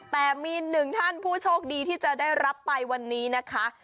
แต่มีหนึ่งท่านผู้โชคดีที่จะได้รับไปวันนี้นะคะ